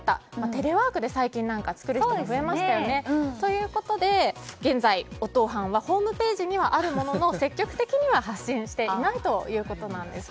テレワークで最近なんか作る人が増えましたよね。ということで現在、おとう飯はホームページにはあるものの積極的には発信していないということなんです。